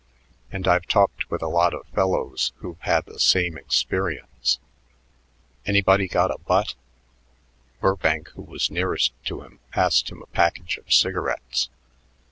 And I've talked with a lot of fellows who've had the same experience.... Anybody got a butt?" Burbank, who was nearest to him, passed him a package of cigarettes.